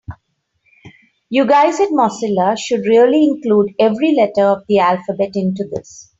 You guys at Mozilla should really include every letter of the alphabet into this.